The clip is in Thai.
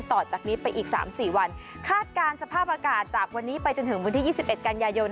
ต่อจากนี้ไปอีกสามสี่วันคาดการณ์สภาพอากาศจากวันนี้ไปจนถึงวันที่๒๑กันยายน